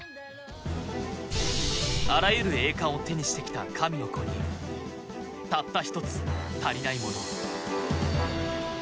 あらゆる栄冠を手にしてきた神の子にたった１つ足りないもの。